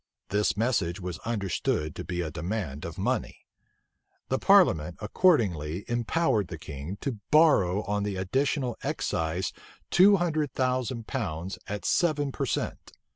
This message was understood to be a demand of money. The parliament accordingly empowered the king to borrow on the additional excise two hundred thousand pounds at seven per cent.